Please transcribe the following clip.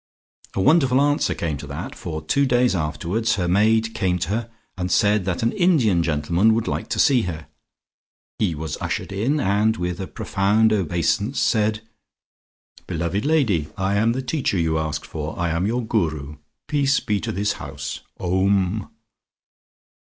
A wonderful answer came to that, for two days afterwards her maid came to her and said that an Indian gentleman would like to see her. He was ushered in, and with a profound obeisance said: "Beloved lady, I am the teacher you asked for; I am your Guru. Peace be to this house! Om!"